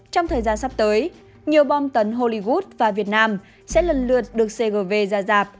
trong thời gian sắp tới nhiều bom tấn hollywood và việt nam sẽ lần lượt được cgv ra dạp